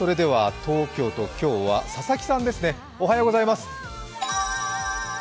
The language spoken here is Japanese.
東京都、今日は佐々木さんですね、おはようございます。